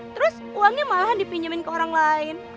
terus uangnya malahan dipinjamin ke orang lain